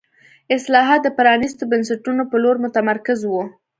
اصلاحات د پرانیستو بنسټونو په لور متمرکز وو.